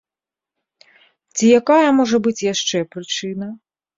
Ці якая можа быць яшчэ прычына?